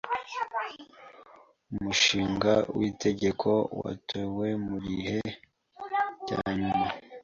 Umushinga w'itegeko watowe mugihe cyanyuma.